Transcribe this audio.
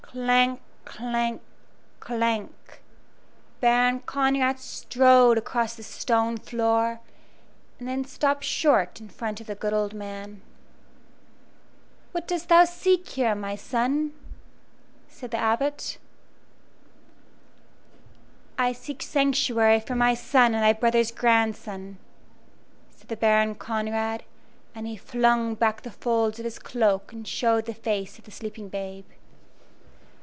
Clank! clank! clank! Baron Conrad strode across the stone floor, and then stopped short in front of the good old man. "What dost thou seek here, my son?" said the Abbot. "I seek sanctuary for my son and thy brother's grandson," said the Baron Conrad, and he flung back the folds of his cloak and showed the face of the sleeping babe.